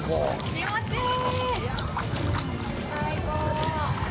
気持ちいい。